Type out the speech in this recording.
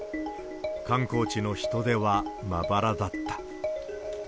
観光地の人出はまばらだった。